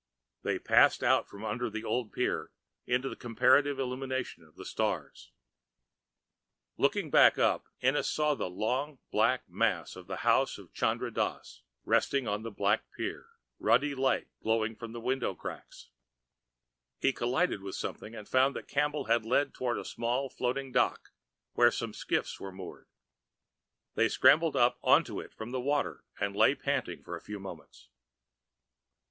They passed out from under the old pier into the comparative illumination of the stars. Looking back up, Ennis saw the long, black mass of the house of Chandra Dass, resting on the black pier, ruddy light glowing from window cracks. He collided with something and found that Campbell had led toward a little floating dock where some skiffs were moored. They scrambled up onto it from the water, and lay panting for a few moments.